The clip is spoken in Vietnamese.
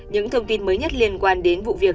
những thông tin mới nhất liên quan đến vụ việc